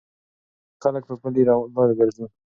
په کلي کې خلک په پلي لارو ګرځي.